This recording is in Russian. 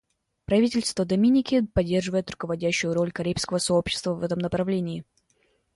Правительство Доминики поддерживает руководящую роль Карибского сообщества в этом направлении.